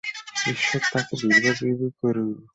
ঈশ্বর তাকে দীর্ঘজীবী করুক।